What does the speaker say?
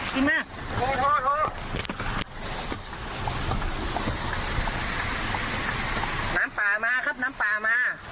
มาน้ำป่ามาครับน้ำป่ามา